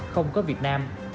không có việt nam